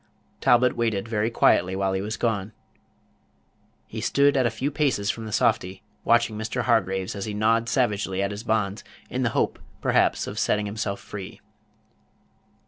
Talbot waited very quietly while he was gone. He stood at a few paces from the softy, watching Mr. Hargraves as he gnawed savagely at his bonds, in the hope, perhaps, of setting himself free.